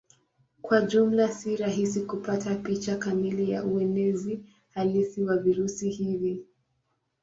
Kwa jumla si rahisi kupata picha kamili ya uenezi halisi wa virusi hivi.